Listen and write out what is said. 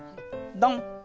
ドン！